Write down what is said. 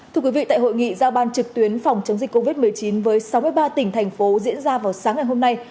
thưa quý vị tại hội nghị giao ban trực tuyến phòng chống dịch covid một mươi chín với sáu mươi ba tỉnh thành phố diễn ra vào sáng ngày hôm nay